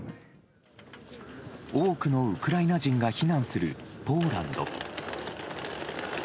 多くのウクライナ人が避難するポーランド。